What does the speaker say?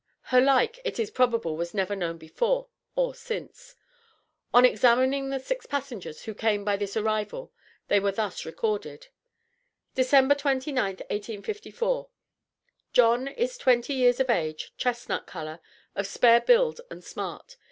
Her like it is probable was never known before or since. On examining the six passengers who came by this arrival they were thus recorded: December 29th, 1854 John is twenty years of age, chestnut color, of spare build and smart.